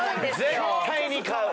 絶対に買う。